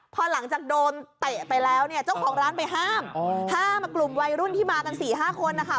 พอหลังจากโดนเตะไปแล้วเนี่ยเจ้าของร้านไปห้ามห้ามกลุ่มวัยรุ่นที่มากัน๔๕คนนะคะ